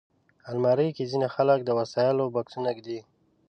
الماري کې ځینې خلک د وسایلو بکسونه ایږدي